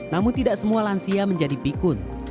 namun tidak semua lansia menjadi pikun